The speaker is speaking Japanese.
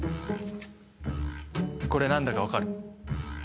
これ何だか分かる？